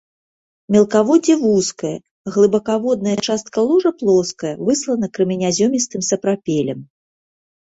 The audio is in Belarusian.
Мелкаводдзе вузкае, глыбакаводная частка ложа плоская, выслана крэменязёмістым сапрапелем.